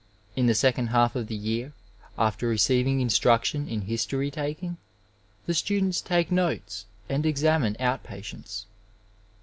In the second half of the year, after receiving instruction in history taking, the students take notes and examine out patients.